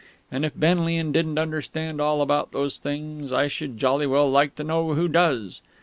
And if Benlian didn't understand all about those things, I should jolly well like to know who does!